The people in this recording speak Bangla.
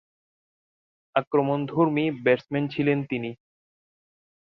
আক্রমণধর্মী ব্যাটসম্যান ছিলেন তিনি।